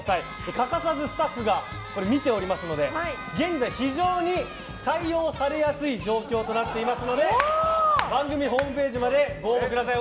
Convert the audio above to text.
欠かさずスタッフが見ておりますので現在、非常に採用されやすい状況となっておりますので番組ホームページまでご応募ください。